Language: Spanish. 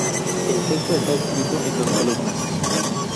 El texto está escrito en dos columnas.